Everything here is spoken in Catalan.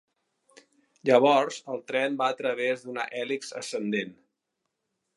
Llavors el tren va a través d'una hèlix ascendent.